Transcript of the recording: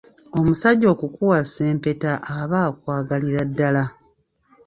Omusajja okukuwasa empeta aba akwagalira ddala.